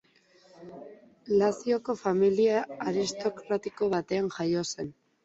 Lazioko familia aristokratiko batean jaio zen.